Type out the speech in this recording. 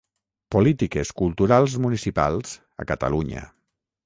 Polítiques Culturals Municipals a Catalunya.